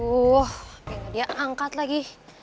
aduh biar dia angkat lagi